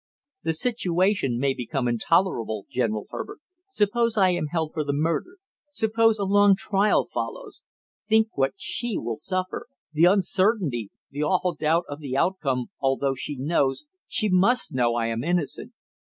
"The situation may become intolerable, General Herbert! Suppose I am held for the murder suppose a long trial follows; think what she will suffer, the uncertainty, the awful doubt of the outcome, although she knows, she must know I am innocent."